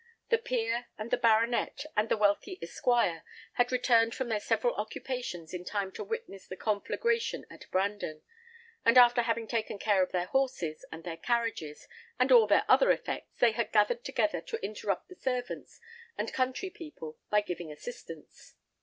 The peer, and the baronet, and the wealthy esquire, had returned from their several occupations in time to witness the conflagration at Brandon; and after having taken care of their horses and their carriages, and all their other effects, they had gathered together to interrupt the servants and country people by giving assistance.